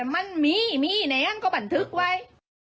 แม่งก็บันทึกไว้